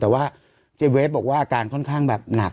แต่ว่าเจเวทบอกว่าอาการค่อนข้างแบบหนัก